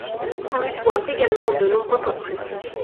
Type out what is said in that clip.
On lui doit également de nombreux portraits.